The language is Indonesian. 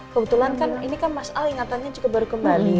kebetulan kan ini kan mas al ingatannya cukup baru kembali